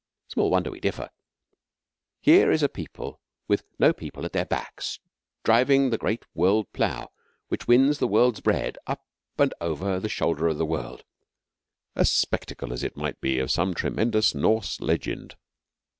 Small wonder we differ! Here is a people with no people at their backs, driving the great world plough which wins the world's bread up and up over the shoulder of the world a spectacle, as it might be, out of some tremendous Norse legend.